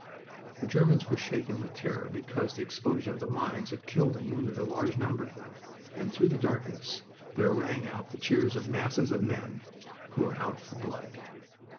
The Germans were shaken with terror because the explosion of the mines had killed and wounded a large number of them, and through the darkness there rang out the cheers of masses of men who were out for blood.